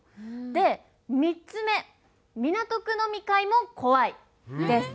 で３つ目「港区飲み会も怖い」です。